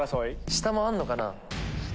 下もあんのかな？